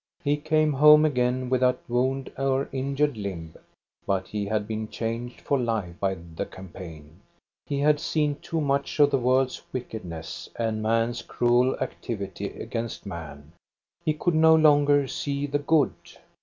He came home again without wound or injured limb ; but he had been changed for life by the campaign. He had seen too much of the world's wickedness and man's cruel activity against man. He could no longer see the good.